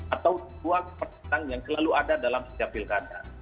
atau dua kepentingan yang selalu ada dalam setiap pilkada